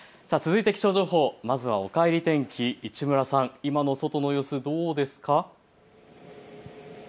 続いて気象情報、まずはおかえり天気、市村さん、今の外の様子どうですか。